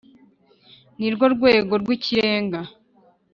ni rwo rwego rw’Ikirenga